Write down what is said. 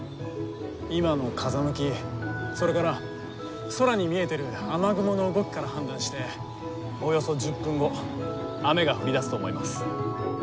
今の風向きそれから空に見えてる雨雲の動きから判断しておよそ１０分後雨が降りだすと思います。